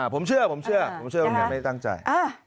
ผมเชื่อผมเชื่อผมไม่ตั้งใจ